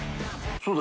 そうだ。